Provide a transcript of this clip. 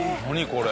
これ。